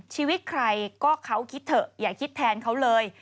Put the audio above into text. ชีวิตใครก็เขาคิดเถอะอย่าคิดแทนเขาเลย